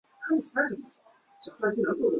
后转任三司理欠凭由司。